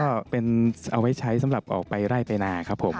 ก็เป็นเอาไว้ใช้สำหรับออกไปไล่ไปนาครับผม